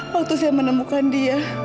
waktu saya menemukan dia